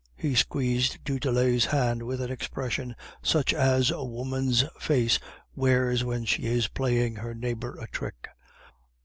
He squeezed du Tillet's hand with an expression such as a woman's face wears when she is playing her neighbor a trick.